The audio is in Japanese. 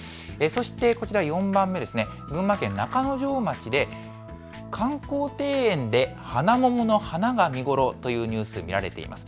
そしてこちら４番目、群馬県中之条町で観光庭園でハナモモの花が見頃というニュース、見られています。